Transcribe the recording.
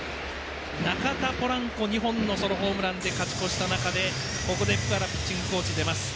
中田、ポランコ、２本のソロホームランで勝ち越した中でここで、福原ピッチングコーチ出ます。